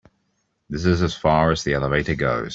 This is as far as the elevator goes.